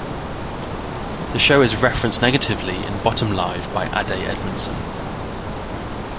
The show is referenced negatively in Bottom Live by Ade Edmondson.